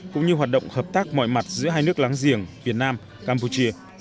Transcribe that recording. cũng như hoạt động hợp tác mọi mặt giữa hai nước láng giềng việt nam campuchia